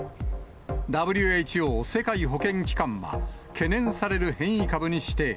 ＷＨＯ・世界保健機関は、懸念される変異株に指定。